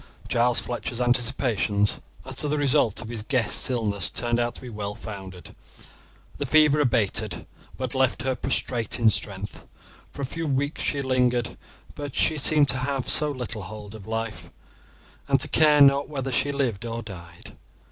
Giles Fletcher's anticipations as to the result of his guest's illness turned out to be well founded. The fever abated, but left her prostrate in strength. For a few weeks she lingered; but she seemed to have little hold of life, and to care not whether she lived or died.